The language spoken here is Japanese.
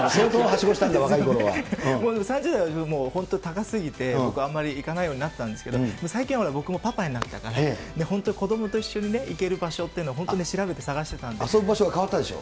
３０代はもう、本当高すぎて、僕あんまり行かないようになったんですけど、最近は僕もパパになったから、本当、子どもと一緒に行ける場所っていうの、遊ぶ場所が変わったでしょ？